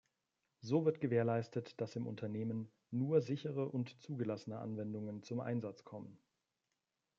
So wird gewährleistet, dass im Unternehmen nur sichere und zugelassene Anwendungen zum Einsatz kommen.